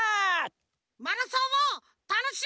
マラソンをたのしむぞ！